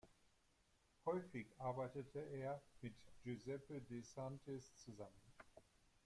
Häufig arbeitete er mit Giuseppe De Santis zusammen.